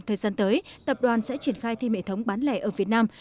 thời gian tới tập đoàn sẽ triển khai thêm hệ thống bán lẻ ở việt nam